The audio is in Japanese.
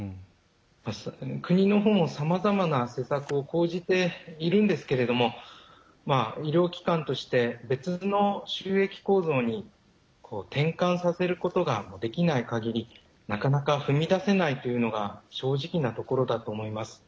国のほうもさまざまな施策を講じているんですけれども医療機関として別の収益構造に転換させることができない限りなかなか踏み出せないというのが正直なところだと思います。